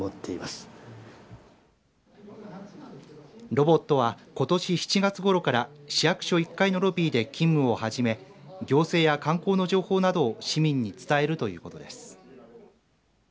ロボットは、ことし７月ごろから市役所１階のロビーで勤務をはじめ行政や観光の情報などを市民に伝えるということです。